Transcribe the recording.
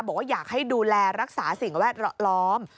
บอกว่าอยากให้ดูแลรักษาสิ่งแวดล้อม